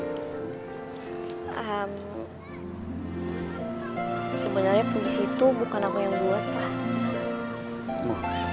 ehm sebenarnya puisi itu bukan aku yang buat lah